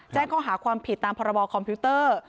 แจ้งข้อหาความผิดตามพรบคอมพิวเตอร์